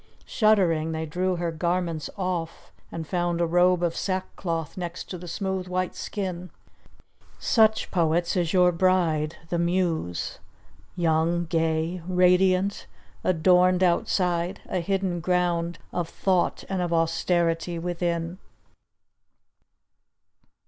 Shuddering, they drew her garments off and found A robe of sackcloth next the smooth, white skin. Such, poets, is your bride, the Muse! young, gay, Radiant, adorned outside; a hidden ground Of thought and of austerity within.